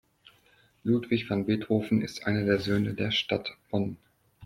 Ludwig van Beethoven ist einer der Söhne der Stadt Bonn.